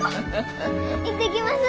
行ってきます。